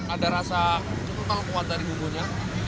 ada rasa itu kalau kuat dari bumbunya